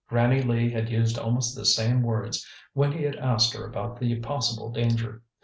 Granny Lee had used almost the same words when he had asked her about the possible danger.